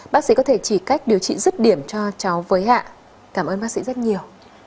bác sĩ có thể chỉ cách điều trị rứt điểm cho cháu với hạ cảm ơn bác sĩ rất nhiều